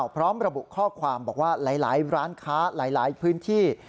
พร้อมระบุข้อความบอกว่าหลายร้านค้าหลายพื้นที่